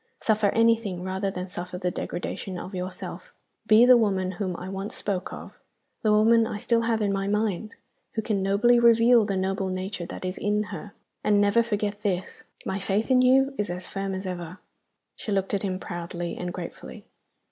"Suffer anything rather than suffer the degradation of yourself. Be the woman whom I once spoke of the woman I still have in my mind who can nobly reveal the noble nature that is in her. And never forget this my faith in you is as firm as ever!" She looked at him proudly and gratefully.